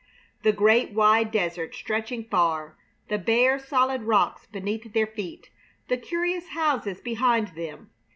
The great, wide desert stretching far! The bare, solid rocks beneath their feet! The curious houses behind them!